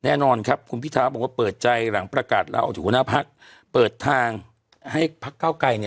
แน่นอนครับคุณพิท้าบอกว่าเปิดใจหลังประกาศแล้วเอาถึงคุณภักดิ์เปิดทางให้พักเก้าไกล